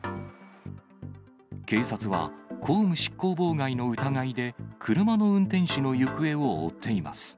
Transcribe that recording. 警察は、公務執行妨害の疑いで、車の運転手の行方を追っています。